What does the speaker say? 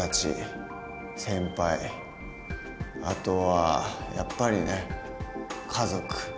あとはやっぱりね家族。